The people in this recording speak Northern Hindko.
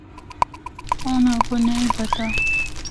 اُنّاں کو نیں پتہ۔